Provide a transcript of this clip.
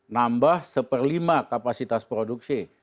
nambah satu per lima kapasitas produksi